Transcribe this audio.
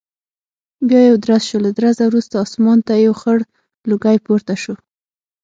بیا یو درز شو، له درزه وروسته اسمان ته یو خړ لوګی پورته شو.